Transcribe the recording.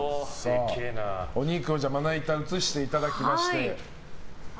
お肉をまな板に移していただきまして。